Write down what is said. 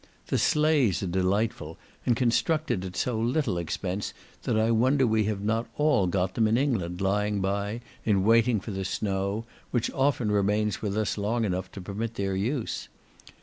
The sleighs are delightful, and constructed at so little expense that I wonder we have not all got them in England, lying by, in waiting for the snow, which often remains with us long enough to permit their use.